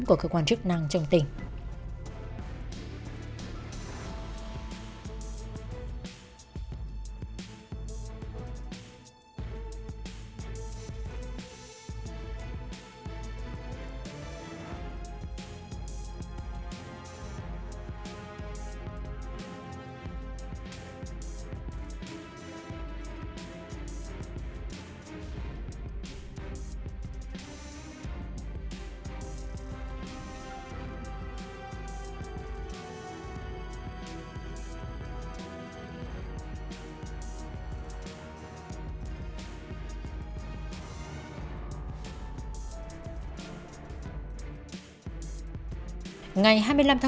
của cơ quan chức năng trong tỉnh